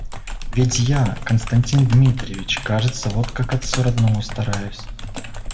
Ведь я, Константин Дмитрич, кажется, вот как отцу родному стараюсь.